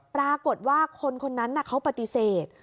ปรากฏว่าคนคนนั้นเขาปฏิเสธ